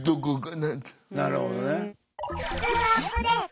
なるほどね。